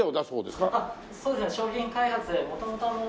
そうですね。